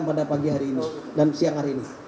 pada pagi hari ini dan siang hari ini